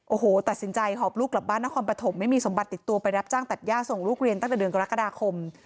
โอ้โหตัดสินใจหอบลูกกลับบ้านนครปฐมไม่มีสมบัติติดตัวไปรับจ้างตัดย่าส่งลูกเรียนตั้งแต่เดือนกรกฎาคม